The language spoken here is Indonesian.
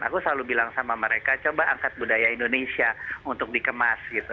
aku selalu bilang sama mereka coba angkat budaya indonesia untuk dikemas gitu